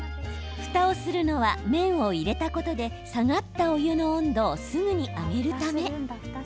ふたをするのは麺を入れたことで下がったお湯の温度をすぐに上げるため。